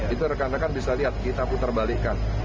itu rekan rekan bisa lihat kita putar balikan